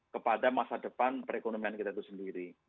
kepada masa depan perekonomian kita itu sendiri